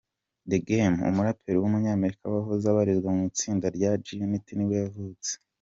The Game, umuraperi w’umunyamerika wahoze abarizwa mu itsinda rya G-Unit nibwo yavutse.